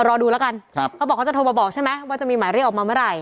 รอดูแล้วกันเขาบอกเขาจะโทรมาบอกใช่ไหมว่าจะมีหมายเรียกออกมาเมื่อไหร่